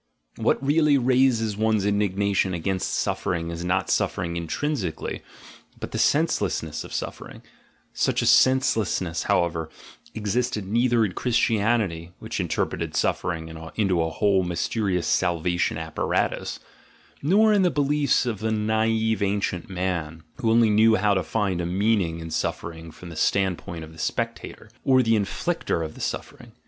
What really raises one's indignation against suffering is not suffering intrinsically, but the senselessness of suffer ing; such a senselessness, however, existed neither in Christianity, which interpreted suffering into a whole mys terious salvation apparatus, nor in the beliefs of the naive ancient man, who only knew how to find a meaning in suffering from the standpoint of the spectator, or the in flictor of the suffering.